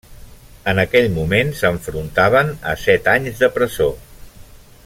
En aquell moment s'enfrontaven a set anys de presó.